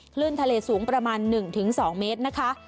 คลื่นทะเลสูงประมาณ๑๒เมตรนะคะ